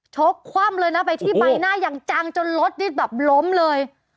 คว่ำเลยนะไปที่ใบหน้าอย่างจังจนรถนี่แบบล้มเลย